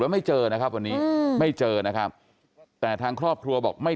ไม่เจอนะครับวันนี้ไม่เจอนะครับแต่ทางครอบครัวบอกไม่